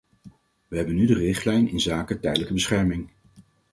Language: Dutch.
We hebben nu de richtlijn inzake tijdelijke bescherming.